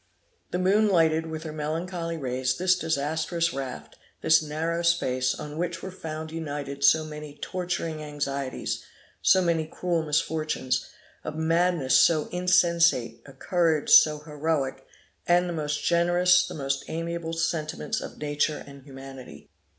The moon lighted with her melancholy rays this disastrous raft, this narrow space, on which were found united so many torturing anxieties, so many cruel misfortunes, a madness so insensate, a courage so heroic, and the most generous, the most amiable sentiments of nature and humanity.